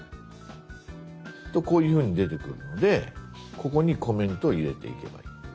こういうふうに出てくるのでここにコメントを入れていけばいい。